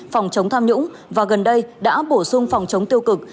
phòng chống tham nhũng và gần đây đã bổ sung phòng chống tiêu cực